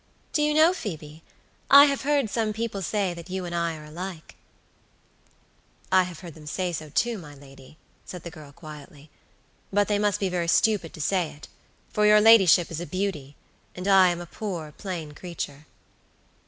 "Do you know, Phoebe, I have heard some people say that you and I are alike?" "I have heard them say so, too, my lady," said the girl, quietly "but they must be very stupid to say it, for your ladyship is a beauty, and I am a poor, plain creature."